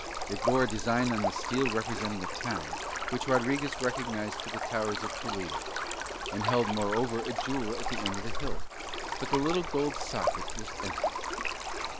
It bore a design on the steel representing a town, which Rodriguez recognised for the towers of Toledo; and had held moreover a jewel at the end of the hilt, but the little gold socket was empty.